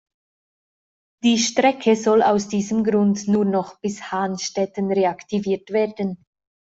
Die Strecke soll aus diesem Grund nur noch bis Hahnstätten reaktiviert werden.